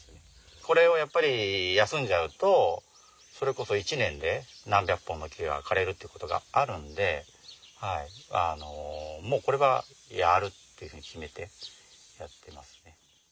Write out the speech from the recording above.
これをやっぱり休んじゃうとそれこそ１年で何百本の木が枯れるってことがあるんでもうこれはやるっていうふうに決めてやってますね。